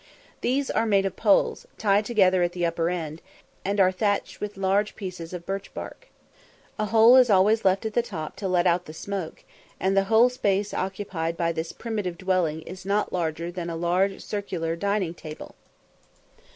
These are made of poles, tied together at the upper end, and are thatched with large pieces of birch bark. A hole is always left at the top to let out the smoke, and the whole space occupied by this primitive dwelling is not larger than a large circular dining table.